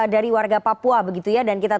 dari warga papua begitu ya dan kita